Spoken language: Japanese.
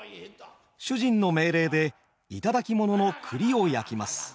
主人の命令で頂き物の栗を焼きます。